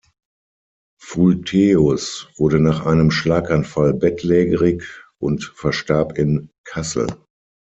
Vultejus wurde nach einem Schlaganfall bettlägerig und verstarb in Kassel.